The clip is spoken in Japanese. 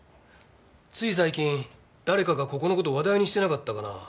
つい最近誰かがここの事話題にしてなかったかな？